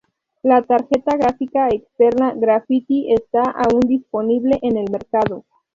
La tarjeta gráfica externa Graffiti está aún disponible en el mercado.